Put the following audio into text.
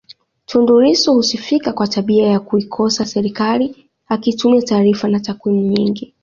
Tundu Lissu husifika kwa tabia ya kuikosoa serikali akitumia taarifa na takwimu nyingi